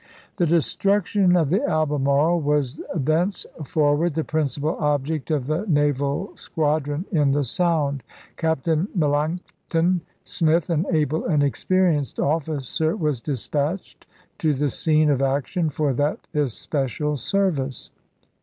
The destruction of the Albemarle was thencefor ward the principal object of the naval squadron in the Sound. Captain Melancton Smith, an able and experienced officer, was dispatched to the scene of action for that especial service.